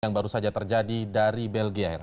yang baru saja terjadi dari belgia air